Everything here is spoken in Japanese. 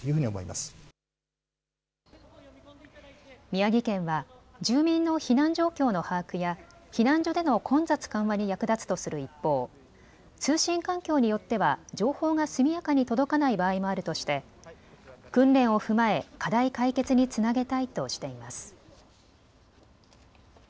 宮城県は住民の避難状況の把握や避難所での混雑緩和に役立つとする一方、通信環境によっては情報が速やかに届かない場合もあるとして訓練を踏まえ課題解決につなげたいとしています。